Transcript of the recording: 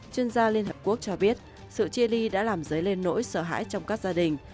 chuyên gia liên hợp quốc cho biết sự chia đi đã làm dấy lên nỗi sợ hãi trong các gia đình